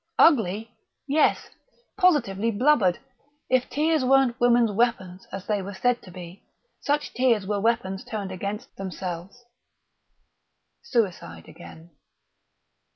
Ugly yes, positively blubbered; if tears were women's weapons, as they were said to be, such tears were weapons turned against themselves ... suicide again....